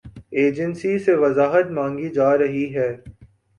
Agency سے وضاحت مانگی جا رہی ہے۔